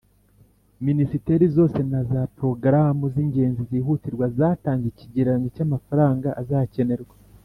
minisiteri zose na za porogaramu z'ingenzi zihutirwa zatanze ikigereranyo cy'amafaranga azakenerwa.